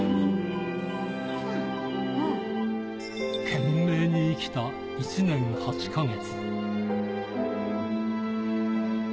懸命に生きた１年８か月。